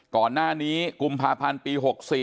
ก่อนหน้านี้กุมภาพันธ์ปี๖๔